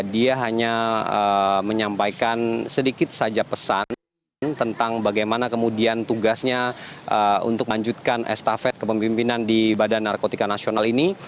dia hanya menyampaikan sedikit saja pesan tentang bagaimana kemudian tugasnya untuk melanjutkan estafet kepemimpinan di badan narkotika nasional ini